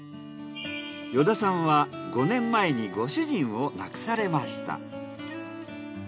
依田さんは５年前にご主人を亡くされました。